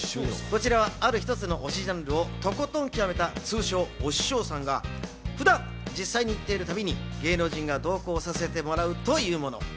こちらはある一つの推しジャンルをとことんきわめた通称・推し匠さんが普段実際に行っている旅に、芸能人が同行させてもらうというもの。